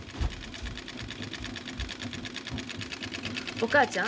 お母ちゃん。